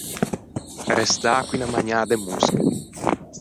Restâ con unna magnâ de mosche.